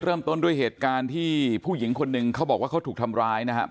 เริ่มต้นด้วยเหตุการณ์ที่ผู้หญิงคนหนึ่งเขาบอกว่าเขาถูกทำร้ายนะครับ